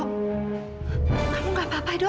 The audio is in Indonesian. kamu gak apa apa dok